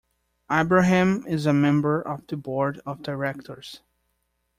Ibrahim is a member of the board of directors.